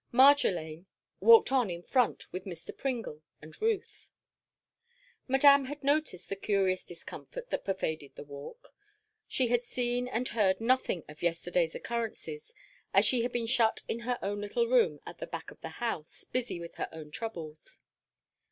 Marjolaine walked on in front with Mr. Pringle and Ruth. Madame had noticed the curious discomfort that pervaded the Walk. She had seen and heard nothing of yesterday's occurrences, as she had been shut in her own little room at the back of the house, busy with her own troubles.